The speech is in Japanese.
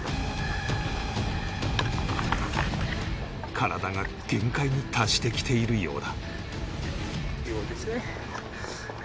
体が限界に達してきているようだ